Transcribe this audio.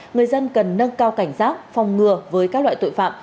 người dân cần nâng cao cảnh giác phòng ngừa với các loại tội phạm